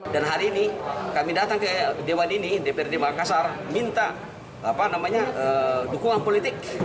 dan hari ini kami datang ke dewan ini dprd makassar minta dukungan politik